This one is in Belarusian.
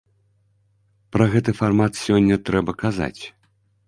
Пра гэты фармат сёння трэба казаць.